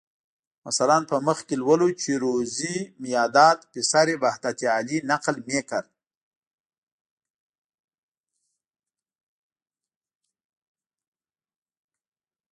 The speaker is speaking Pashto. مثلاً په مخ کې لولو چې روزي میاداد پسر وحدت علي نقل میکرد.